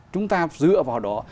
chúng ta dựa vào đó